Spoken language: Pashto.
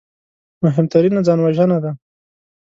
مهمترینه ځانوژنه ده